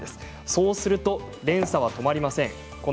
そうすると連鎖は止まりません。